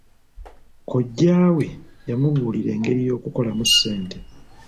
Kojja we yamubuulira engeri y'okukolamu ssente.